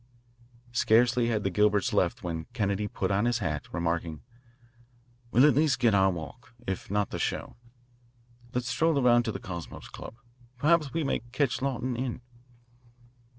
Scarcely had the Gilberts left when Kennedy put on his hat, remarking: "We'll at least get our walk, if not the show. Let's stroll around to the Cosmos Club. Perhaps we may catch Lawton in."